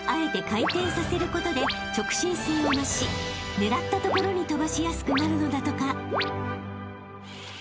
［狙った所に飛ばしやすくなるのだとか］